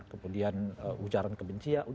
kemudian ujaran kebencian